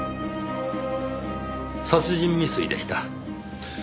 殺人未遂でした。